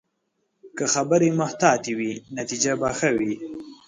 که خبرې محتاطې وي، نتیجه به ښه وي